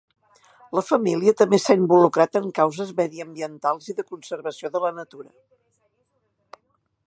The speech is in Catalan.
La família també s'ha involucrat en causes mediambientals i de conservació de la natura.